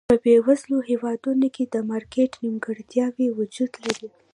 په بېوزلو هېوادونو کې د مارکېټ نیمګړتیاوې وجود لري.